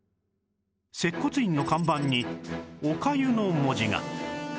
接骨院の看板に「小粥」の文字が